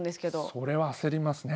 それは焦りますね。